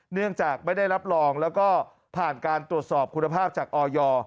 เนื่องจากไม่ได้รับรองแล้วก็ผ่านการตรวจสอบคุณภาพจากออย